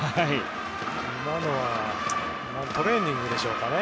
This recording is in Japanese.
今のはトレーニングでしょうかね。